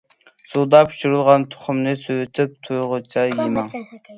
سۇدا پىشۇرۇلغان تۇخۇمنى سوۋۇتۇپ تويغۇچە يېمەڭ.